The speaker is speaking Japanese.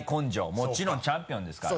もちろんチャンピオンですから。